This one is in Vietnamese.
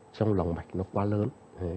trong lòng mạch nó quá lớn